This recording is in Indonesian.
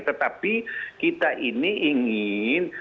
tetapi kita ini ingin